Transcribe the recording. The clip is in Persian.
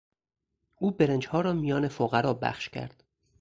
او برنجها را میان فقرا بخش کرد.